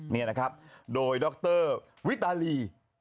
นี่นะครับโดยดรวิตาลี